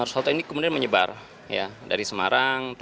soto ini kemudian menyebar dari semarang